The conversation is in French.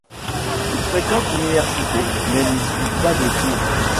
Il fréquente l’université mais n’y suit pas de cours.